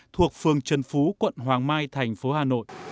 thuộc phường trần phú quận hoàng mai thành phố hà nội